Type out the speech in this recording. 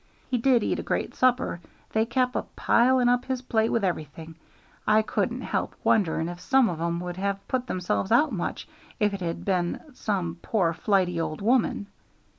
He did eat a great supper; they kep' a piling up his plate with everything. I couldn't help wondering if some of 'em would have put themselves out much if it had been some poor flighty old woman.